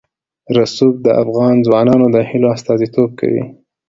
رسوب د افغان ځوانانو د هیلو استازیتوب کوي.